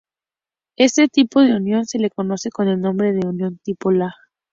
Este tipo de unión se le conoce con el nombre de unión Tipo Ia.